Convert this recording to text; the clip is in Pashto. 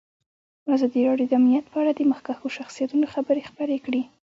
ازادي راډیو د امنیت په اړه د مخکښو شخصیتونو خبرې خپرې کړي.